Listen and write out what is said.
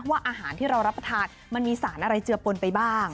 อาหารที่เรารับประทานมันมีสารอะไรเจือปนไปบ้าง